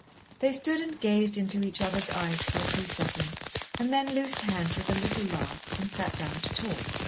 They stood and gazed into each other's eyes a few seconds, and then loosed hands with a little laugh and sat down to talk.